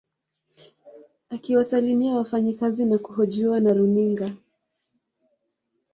Akiwasalimia wafanyakazi na kuhojiwa na runinga